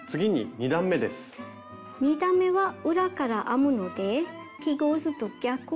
２段めは裏から編むので記号図と逆を編みます。